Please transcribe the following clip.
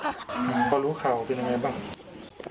อ๋อเค้ารู้ข่าวเป็นไงบ้าง